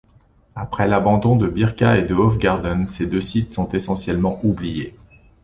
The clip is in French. Après l'abandon de Birka et de Hovgården, ces deux sites sont essentiellement oubliés.